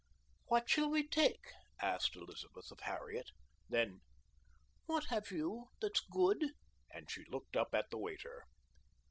"What shall we take?" asked Elizabeth of Harriet. Then: "What have you that's good?" and she looked up at the waiter.